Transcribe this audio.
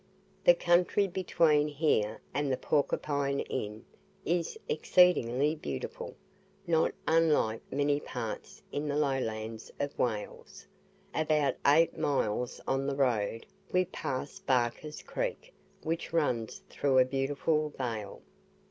The country between here and the "Porcupine Inn" is exceedingly beautiful not unlike many parts in the lowlands of Wales. About eight miles on the road we pass Barker's Creek, which runs through a beautiful vale.